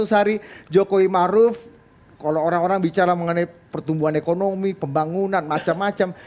seratus hari jokowi maruf kalau orang orang bicara mengenai pertumbuhan ekonomi pembangunan macam macam